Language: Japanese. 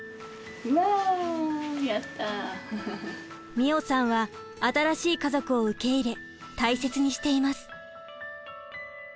美桜さんは新しい家族を受け入れ大切にしています。